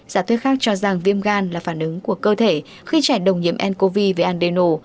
giả thuyết khác cho rằng viêm gan là phản ứng của cơ thể khi trẻ đồng nhiễm ncov về adeno